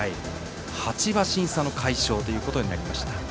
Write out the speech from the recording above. ８馬身差の快勝ということになりました。